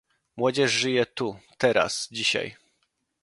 młodzież żyje tu, teraz, dzisiaj